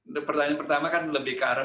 untuk pertanyaan pertama kan lebih ke arah